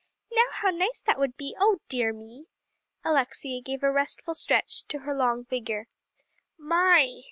Now how nice that would be, oh dear me!" Alexia gave a restful stretch to her long figure. "My!"